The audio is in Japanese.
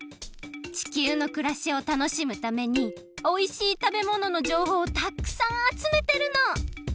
地球のくらしを楽しむためにおいしいたべもののじょうほうをたくさんあつめてるの！